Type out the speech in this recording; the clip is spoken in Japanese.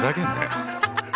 アハハハ。